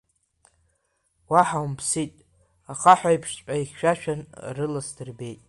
Уаҳа умԥсит, ахаҳәеиԥшҵәҟьа ихьшәашәан, рыла сдырбеит…